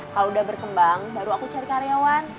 kalau udah berkembang baru aku cari karyawan